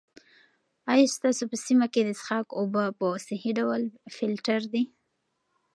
آیا ستاسو په سیمه کې د څښاک اوبه په صحي ډول فلټر دي؟